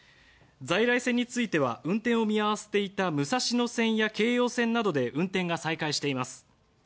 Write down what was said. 在来線については運転を見合わせていた武蔵野線や京葉線などで運転が再開しています。